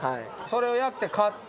それをやって勝って。